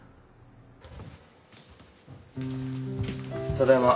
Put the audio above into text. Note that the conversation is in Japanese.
ただいま。